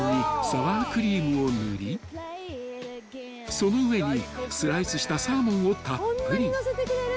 ［その上にスライスしたサーモンをたっぷり］